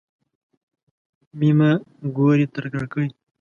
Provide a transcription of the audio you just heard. مېمه ګوري تر کړکۍ.